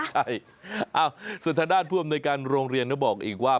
ใช่ส่วนทางด้านผู้อำนวยการโรงเรียนก็บอกอีกว่า